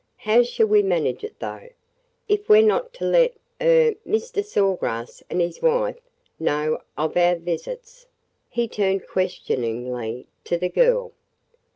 How shall we manage it, though, if we 're not to let – er – Mr. Saw Grass and his wife know of our visits?" He turned questioningly to the girl.